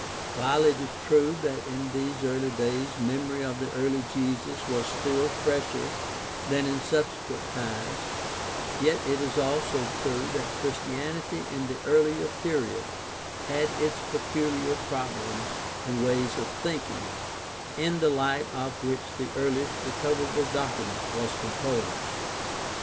While it is true that in these early days memory of the earthly Jesus was still fresher than in subsequent times, yet it is also true that Christianity in the earHer period had its pecuhar problems and ways of thinking, in the light of which the earliest recover able document was composed.